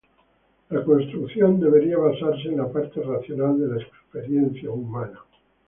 Su construcción debería basarse en la parte racional de la experiencia humana.